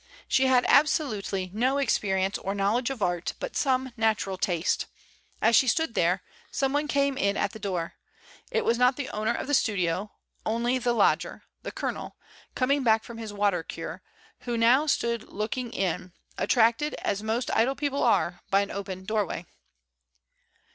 She had ab solutely no experience or knowledge of art, but some natural taste. As she stood there, some one came in at the door; it was not the owner of the studio, only the lodger — the Colonel — coming back from his water cure, who now stood looking in, THE ATELIER. 79 attracted, as most idle people are, by an open door way.